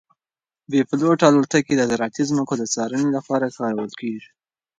بې پیلوټه الوتکې د زراعتي ځمکو د څارنې لپاره کارول کیږي.